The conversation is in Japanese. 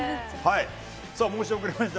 申し遅れました、